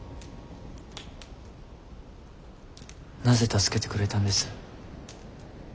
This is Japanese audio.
なぜ助けてくれたんです。